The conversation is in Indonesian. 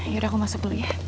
yaudah aku masuk dulu ya